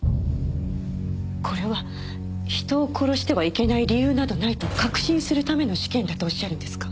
これは人を殺してはいけない理由などないと確信するための試験だとおっしゃるんですか？